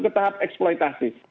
ke tahap eksploitasi